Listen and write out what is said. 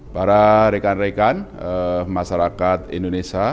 para rekan rekan masyarakat indonesia